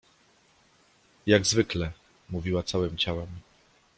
Jak zwykle — mówiła całym ciałem.